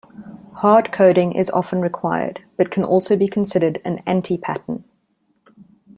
Hard coding is often required, but can also be considered an anti-pattern.